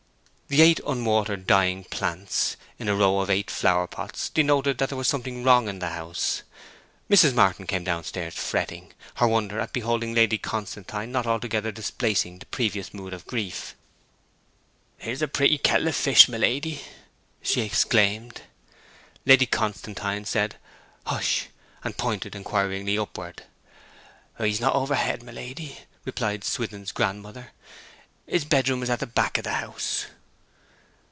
The eight unwatered dying plants, in the row of eight flower pots, denoted that there was something wrong in the house. Mrs. Martin came downstairs fretting, her wonder at beholding Lady Constantine not altogether displacing the previous mood of grief. 'Here's a pretty kettle of fish, my lady!' she exclaimed. Lady Constantine said, 'Hush!' and pointed inquiringly upward. 'He is not overhead, my lady,' replied Swithin's grandmother. 'His bedroom is at the back of the house.'